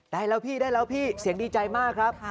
ได้แล้วพี่ได้แล้วพี่เสียงดีใจมากครับ